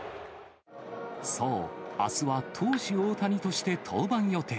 そう、あすは投手、大谷として登板予定。